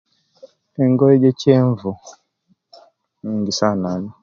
Engoye egye kyenvu ingisana